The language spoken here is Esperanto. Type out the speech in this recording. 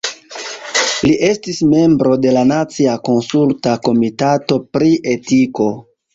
Li estis membro de la Nacia Konsulta Komitato pri Etiko.